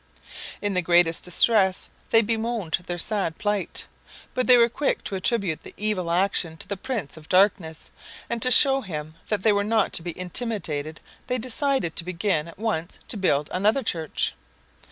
In the greatest distress they bemoaned their sad plight, but they were quick to attribute the evil action to the Prince of Darkness, and to show him that they were not to be intimidated they decided to begin at once to build another church.